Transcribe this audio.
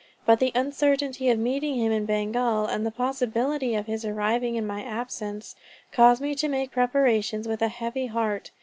But the uncertainty of meeting him in Bengal, and the possibility of his arriving in my absence, cause me to make preparations with a heavy heart.